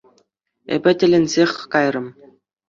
Эпӗ тӗлӗнсех кайрӑм.